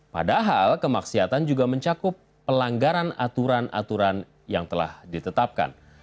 padahal kemaksiatan juga mencakup pelanggaran aturan aturan yang telah ditetapkan